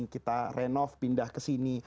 kita renov pindah kesini